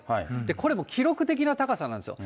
これ、もう記録的な高さなんですよ。